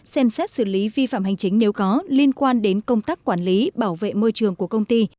xem xét xử lý vi phạm hành chính nếu có liên quan đến công tác quản lý bảo vệ môi trường của công ty